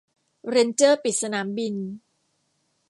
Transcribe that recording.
เรนเจอร์ปิดสนามบิน